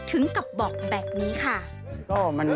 ถึงกับบอกแบบนี้ค่ะ